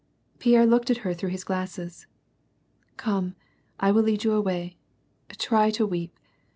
Pierre looked at her through his glasses. " Come, I will lead you away. Try to weep.